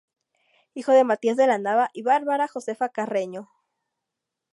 Hijo de Matías de la Nava y Bárbara Josefa Carreño.